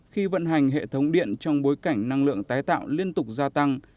khi vận hành hệ thống điện trong bối cảnh năng lượng tái tạo liên tục gia tăng